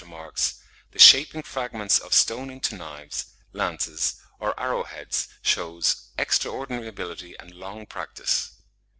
remarks, the shaping fragments of stone into knives, lances, or arrow heads, shews "extraordinary ability and long practice."